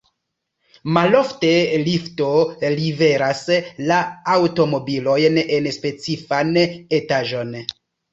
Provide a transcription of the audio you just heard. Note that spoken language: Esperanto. Malofte, lifto liveras la aŭtomobilojn en specifan etaĝon.